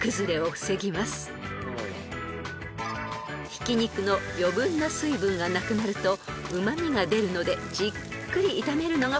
［ひき肉の余分な水分がなくなるとうま味が出るのでじっくり炒めるのがポイント］